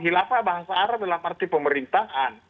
hilafah bangsa arab dalam arti pemerintahan